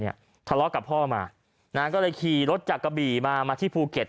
ทะเลาะกับพ่อมานะก็เลยขี่รถจากกะบี่มามาที่ภูเก็ต